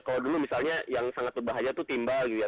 kalau dulu misalnya yang sangat berbahaya itu timbal gitu ya